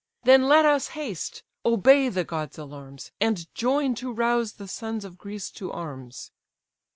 Then let us haste, obey the god's alarms, And join to rouse the sons of Greece to arms."